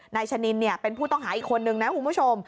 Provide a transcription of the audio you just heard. ชะนินเป็นผู้ต้องหาอีกคนนึงนะคุณผู้ชม